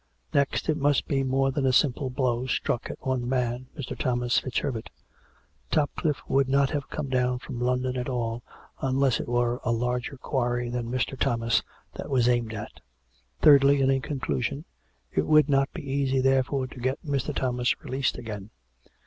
Next, it must be more than a simple blow struck at one man, 228 COME RACK! COME ROPE! Mr. Thomas FitzHerbert: Topcliffe would not have come down from London at all unless it were a larger quarry than Mr. Thomas that was aimed at. Thirdly, and in con clusion, it would not be easy therefore to get Mr. Thomas released again.